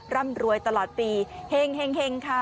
ร่ำรวยตลอดปีเฮ้งเฮ้งเฮ้งค่ะ